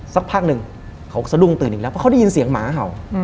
สักพักหนึ่งเขาสะดุ้งตื่นอีกแล้วเพราะเขาได้ยินเสียงหมาเห่า